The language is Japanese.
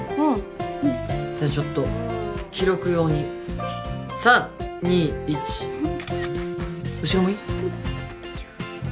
うんじゃあちょっと記録用に３２１後ろもいい？